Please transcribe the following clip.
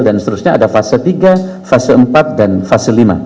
dan seterusnya ada fase tiga fase empat dan fase lima